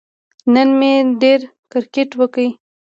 نن مې ډېر کیرکټ وکه